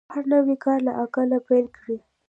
هر نوی کار له عقله پیل کړئ.